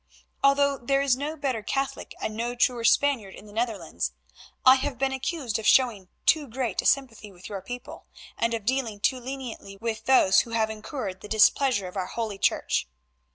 Although there is no better Catholic and no truer Spaniard in the Netherlands, I have been accused of showing too great a sympathy with your people, and of dealing too leniently with those who have incurred the displeasure of our Holy Church.